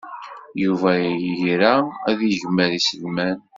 Yuba ira ad yegmer iselman.